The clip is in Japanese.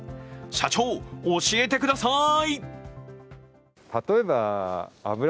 社長、教えてください。